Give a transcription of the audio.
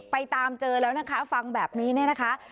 ตามเจอแล้วนะคะฟังแบบนี้เนี่ยนะคะ